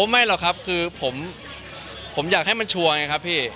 ไม่หรอกครับคือผมอยากให้มันชัวร์ไงครับพี่